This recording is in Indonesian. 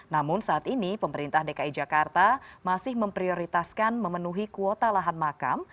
namun saat ini pemerintah dki jakarta masih memprioritaskan memenuhi kuota lahan makam